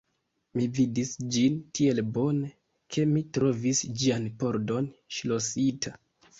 Mi vidis ĝin tiel bone, ke mi trovis ĝian pordon ŝlosita.